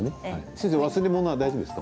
先生、忘れ物大丈夫ですか。